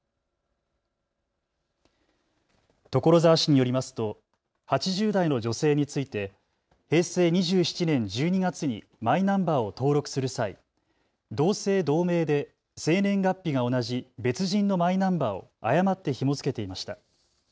所沢市によりますと８０代の女性について平成２７年１２月にマイナンバーを登録する際、同姓同名で生年月日が同じ別人のマイナンバーを誤ってひも付けていました。